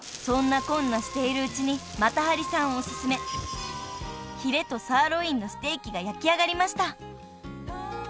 ［そんなこんなしているうちにまたはりさんお薦めヒレとサーロインのステーキが焼き上がりました］